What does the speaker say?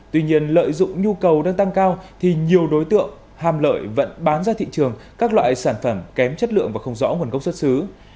tuy nhiên lợi dụng nhu cầu đang tăng cao thì nhiều đối tượng hàm lợi vẫn bán ra thị trường các loại sản phẩm kém chất lượng và không rõ nguồn gốc xuất xứ